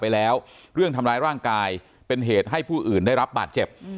ไปแล้วเรื่องทำร้ายร่างกายเป็นเหตุให้ผู้อื่นได้รับบาดเจ็บ